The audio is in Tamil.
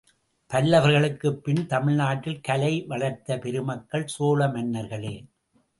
பல்லவர்களுக்குப் பின் தமிழ்நாட்டில் கலை வளர்த்த பெருமக்கள் சோழ மன்னர்களே.